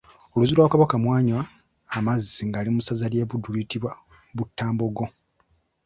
Oluzzi lwa Kabaka mwanywa amazzi ng’ali mu ssaza lye Buddu luyitibwa Buttambogo.